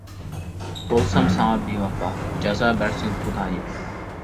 بولسام ساڭا بىۋاپا، جازا بەرسۇن خۇدايىم.